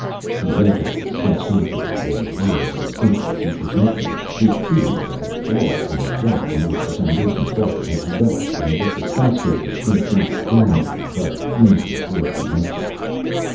He rapidly sketched out for them, in words as simple as he could make them, his theory that a flaw in the rock on which the foundations rested had developed and let the skyscraper sink, not downward, but into the Fourth Dimension.